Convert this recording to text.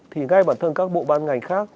thì ngay bản thân các bộ ban ngành khác